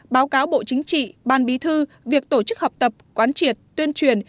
báo cáo bộ chính trị ban bí thư việc tổ chức học tập quán triệt tuyên truyền